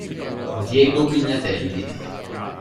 Diego Pignatelli